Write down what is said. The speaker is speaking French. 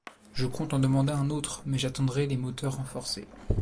Je compte en demander un autre mais j’attendrai les moteurs renforcés.